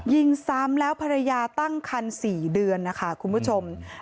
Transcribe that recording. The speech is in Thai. ยิงซ้ำแล้วภรรยาตั้งคัน๔เดือนนะคะคุณผู้ชม